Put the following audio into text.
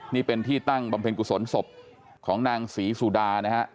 นี่เป็นที่ตั้งบำเพ็ญกุศลศพของนางศรีสุดานะฮะ